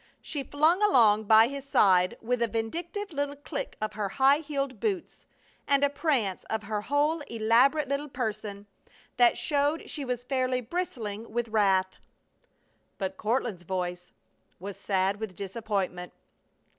She flung along by his side with a vindictive little click of her high heeled boots and a prance of her whole elaborate little person that showed she was fairly bristling with wrath. But Courtland's voice was sad with disappointment.